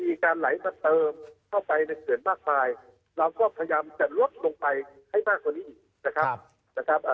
มีการไหลมาเติมเข้าไปในเขื่อนมากมายเราก็พยายามจะลดลงไปให้มากกว่านี้อีกนะครับ